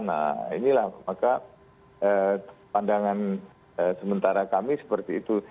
nah inilah maka pandangan sementara kami seperti itu